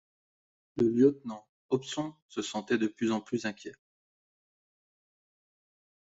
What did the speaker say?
Le lieutenant Hobson se sentait de plus en plus inquiet.